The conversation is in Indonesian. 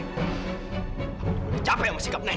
aku juga udah capek sama sikap nenek